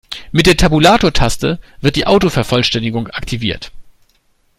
Mit der Tabulatortaste wird die Autovervollständigung aktiviert.